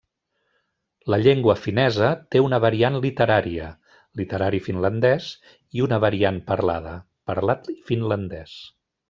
La llengua finesa té una variant literària, literari finlandès, i una variant parlada, parlat finlandès.